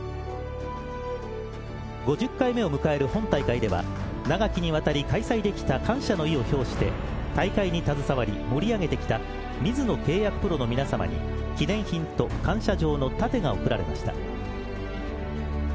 ５０回目を迎える今大会では長きにわたり開催できた感謝の意を表して大会に携わり盛り上げてきたミズノ契約プロの皆さまに記念品と感謝状の盾が贈られました。